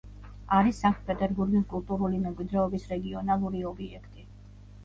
არის სანქტ-პეტერბურგის კულტურული მემკვიდრეობის რეგიონალური ობიექტი.